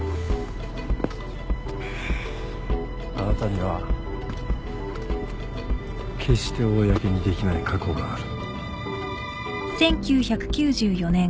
あなたには決して公にできない過去がある。